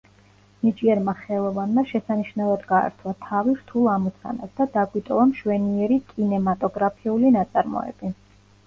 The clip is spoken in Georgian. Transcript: ნიჭიერმა ხელოვანმა შესანიშნავად გაართვა თავი რთულ ამოცანას და დაგვიტოვა მშვენიერი კინემატოგრაფიული ნაწარმოები.